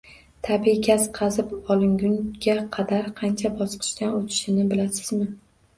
Tabiiy gaz qazib olingunga qadar qancha bosqichdan o‘tishini bilasizmi?